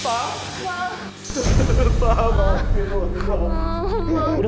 pak maafin lu